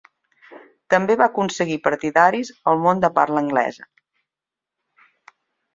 També va aconseguir partidaris al món de parla anglesa.